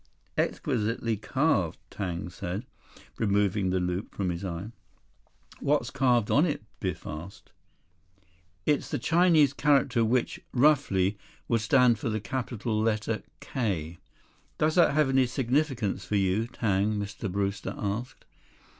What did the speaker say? "Exquisitely carved," Tang said, removing the loupe from his eye. "What's carved on it?" Biff asked. "It's the Chinese character which, roughly, would stand for the capital letter 'K.'" "Does that have any significance for you, Tang?" Mr. Brewster asked.